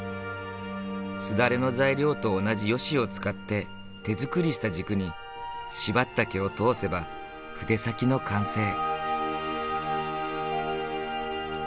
すだれの材料と同じヨシを使って手作りした軸に縛った毛を通せば筆先の完成。